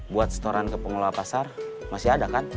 buat setoran ke pengelola pasar masih ada kan